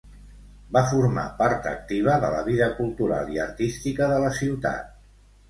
Va formar part activa de la vida cultural i artística de la ciutat.